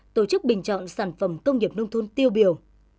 tổ chức bình chọn sản phẩm công nghiệp nông thôn tiêu biểu